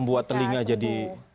membuat telinga jadi